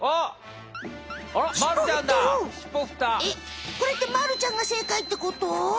えっこれってまるちゃんがせいかいってこと？